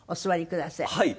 はい。